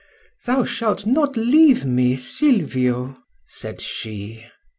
—"Thou shalt not leave me, Sylvio," said she.